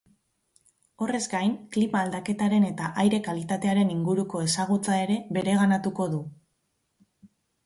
Horrez gain, klima aldaketaren eta aire kalitatearen inguruko ezagutza ere bereganatuko du.